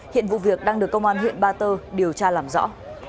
hiện vụ việc đang được công an huyện ba tơ điều tra làm rõ